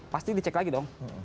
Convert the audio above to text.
pasti dicek lagi dong